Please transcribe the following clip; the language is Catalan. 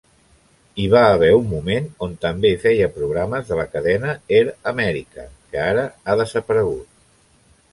Hi va haver un moment on també feia programes de la cadena Air America, que ara ha desaparegut.